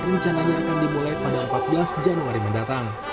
rencananya akan dimulai pada empat belas januari mendatang